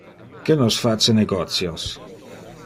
Que nos face negotios.